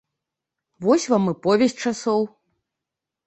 Вось вам і повязь часоў!